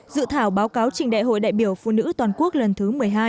dự thảo báo cáo trình đại hội đại biểu phụ nữ toàn quốc lần thứ một mươi hai